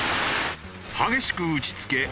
激しく打ち付け